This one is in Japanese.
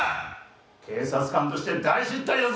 「警察官として大失態だぞ！」